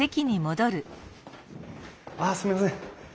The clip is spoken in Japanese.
あすみません。